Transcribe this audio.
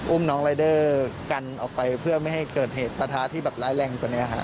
อุ้มน้องรายเดอร์กันออกไปเพื่อไม่ให้เกิดเหตุประทะที่แบบร้ายแรงกว่านี้ค่ะ